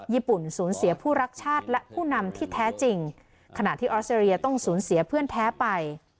ญี่ปุ่นสูญเสียผู้รักชาติและผู้นำที่แท้จริงขณะที่ออสเตรเลียต้องสูญเสียเพื่อนแท้ไป